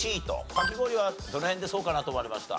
かき氷はどの辺でそうかなと思われました？